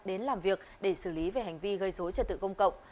đến làm việc để xử lý về hành vi gây dối trật tự công cộng